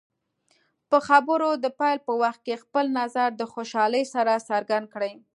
د خبرو د پیل په وخت کې خپل نظر د خوشحالۍ سره څرګند کړئ.